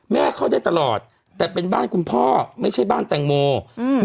เข้าได้ตลอดแต่เป็นบ้านคุณพ่อไม่ใช่บ้านแตงโมอืม